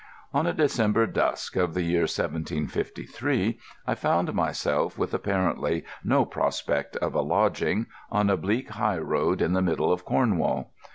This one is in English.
On a December dusk of the year 1753, I found myself, with apparently no prospect of a lodging, on a bleak high road in the middle of Cornwall.